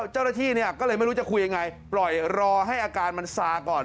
เจ้าระที่ก็เลยไม่รู้จะคุยยังไงรอให้อาการมันซาก่อน